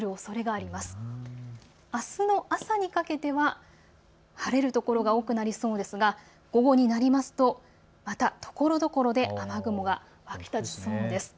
あすの朝にかけては晴れる所が多くなりそうですが午後になりますとまたところどころで雨雲が湧き立ちそうです。